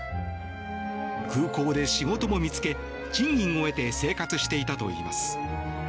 空港で仕事も見つけ、賃金を得て生活していたといいます。